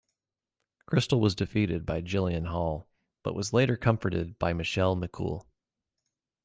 Kristal was defeated by Jillian Hall but was later comforted by Michelle McCool.